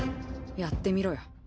やってみろよ。